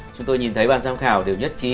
chúng tôi nhìn thấy ban giám khảo đều nhất trí